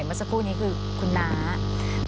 สวัสดีครับ